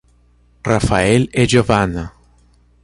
Rafael e Giovanna